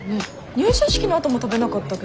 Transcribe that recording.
入社式のあとも食べなかったっけ？